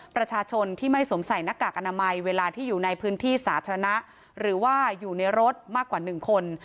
ประชาชนที่ไม่สวมใส่หน้ากากอนามัยเวลาที่อยู่ในพื้นที่สาธารณะหรือว่าอยู่ในรถมากกว่า๑คน